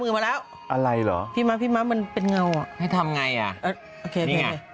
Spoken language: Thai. มือมาแล้วอะไรเหรอพี่มั๊บพี่มั๊บมันเป็นเงาให้ทำไงอ่ะเออโอเค